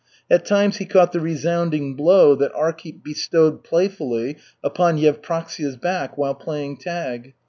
At times he caught the resounding blow that Arkhip bestowed playfully upon Yevpraksia's back while playing tag.